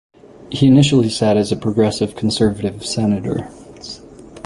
He initially sat as a Progressive Conservative Senator.